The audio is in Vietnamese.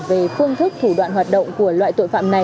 về phương thức thủ đoạn hoạt động của loại tội phạm này